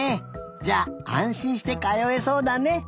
じゃああんしんしてかよえそうだね。